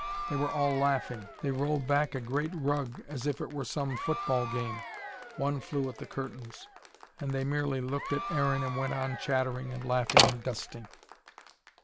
They were all laughing. They rolled back a great rug as if it were some football game, one flew at the curtains. And they merely looked at Aaron and went on chattering, and laughing and dusting.